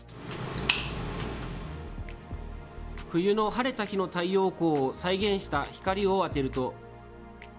冬の晴れた日の太陽光を再現した光を当てると。